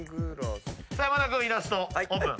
さあ山田君イラストオープン。